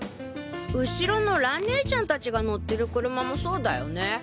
後ろの蘭ねえちゃん達が乗ってる車もそうだよね？